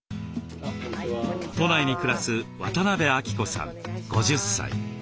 都内に暮らす渡邊晃子さん５０歳。